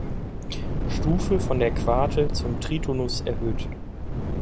Stufe von der Quarte zum Tritonus erhöht.